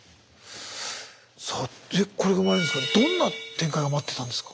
さてこれがもうあれですかどんな展開が待ってたんですか？